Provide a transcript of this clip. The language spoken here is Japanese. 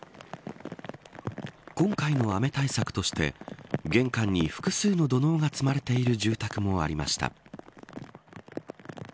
今回の雨対策として玄関に複数の土のうが積まれている住宅もありました。